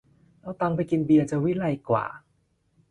เอาตังค์ไปกินเบียร์จะวิไลกว่า